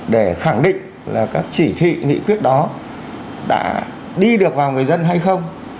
để khẳng định là các chỉ thị nghị quyết đó đã đi được vào người dân hay không